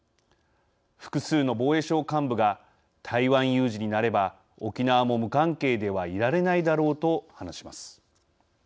複数の防衛省幹部が台湾有事になれば沖縄も無関係ではいられないだろうと話します。